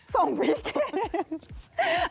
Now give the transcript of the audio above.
ส่งพี่เคน